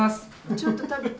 ちょっと食べて？